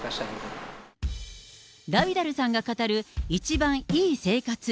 ラビダルさんが語る、一番いい生活。